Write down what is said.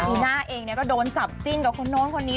ลีน่าเองก็โดนจับจิ้นกับคนโน้นคนนี้